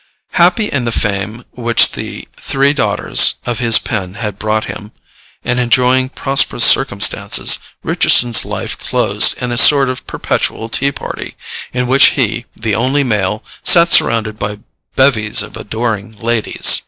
Happy in the fame which "the three daughters" of his pen had brought him, and enjoying prosperous circumstances, Richardson's life closed in a sort of perpetual tea party, in which he, the only male, sat surrounded by bevies of adoring ladies.